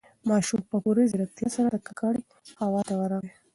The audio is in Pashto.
ماشوم په پوره ځيرکتیا سره د کړکۍ خواته ورغی.